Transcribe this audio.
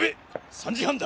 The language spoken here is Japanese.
３時半だ！